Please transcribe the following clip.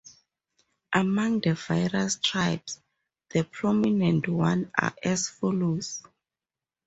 Among the various tribes, the prominent ones are as follows.